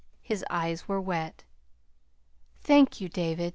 His eyes were wet. "Thank you, David.